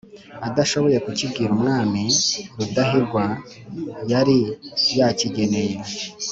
adashoboye kukibwira umwami rudahigwa yari yakigeneye.